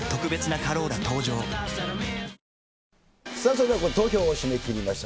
それでは投票を締め切りました。